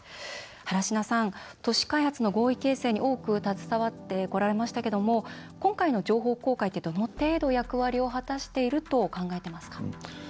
原科さん、都市開発の合意形成に多く携わってこられましたけども今回の情報公開って、どの程度役割を果たしていると考えていますか？